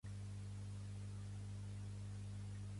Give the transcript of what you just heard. A la ciutat de Bergamo es parla el dialecte bergamasco